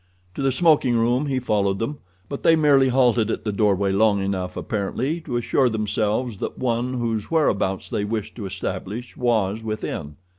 To the smoking room he followed them, but they merely halted at the doorway long enough, apparently, to assure themselves that one whose whereabouts they wished to establish was within.